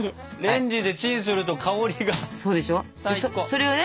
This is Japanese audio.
それをね